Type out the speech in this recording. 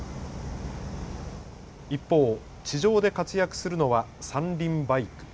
一方、地上で活躍するのは三輪バイク。